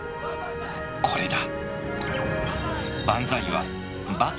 「これだ」